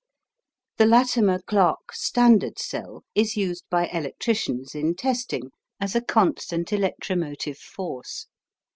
The Latimer Clark "standard" cell is used by electricians in testing, as a constant electromotive force.